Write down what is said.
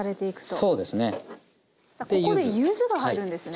さあここで柚子が入るんですね。